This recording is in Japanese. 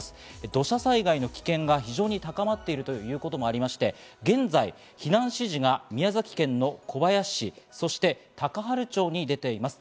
土砂災害の危険が高まっているということで現在、避難指示が宮崎県の小林市、そして高原町に出ています。